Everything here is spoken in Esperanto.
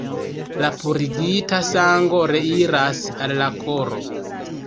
La purigita sango reiras al la koro.